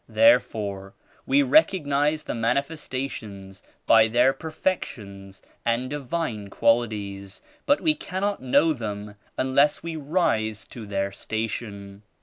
Therefore we recognize the Manifestations by their perfections 107 and Divine qualities but wc cannot know them unless we rise to their Station."